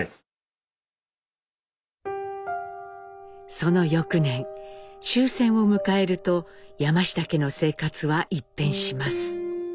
その翌年終戦を迎えると山下家の生活は一変します。